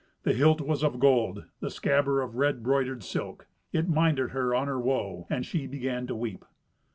The hilt was of gold, the scabbard of red broidered silk. It minded her on her woe, and she began to weep.